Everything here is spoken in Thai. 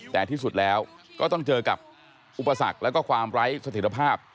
แต่ที่สุดแล้วก็ต้องเจอกับอุปสรรคแล้วก็ความไร้สถิตภาพ